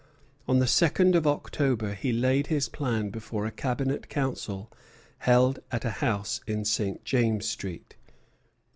On the second of October he laid his plan before a Cabinet Council held at a house in St. James Street.